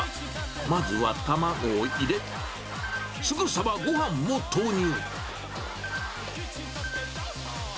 まずは卵を入れ、すぐさまごはんも投入。